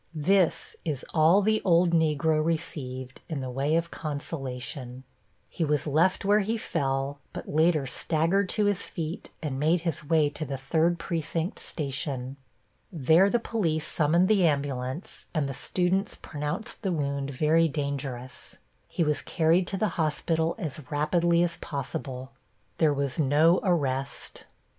This is all the old Negro received in the way of consolation. He was left where he fell, but later staggered to his feet and made his way to the third precinct station. There the police summoned the ambulance and the students pronounced the wound very dangerous. He was carried to the hospital as rapidly as possible. There was no arrest.